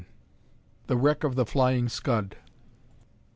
THE WRECK OF THE "FLYING SCUD."